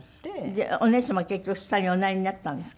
でお姉様結局スターにおなりになったんですか？